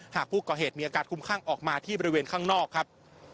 หากผู้ก่อเหตุมีอาการคุ้มข้างออกมาที่บริเวณข้างนอกครับ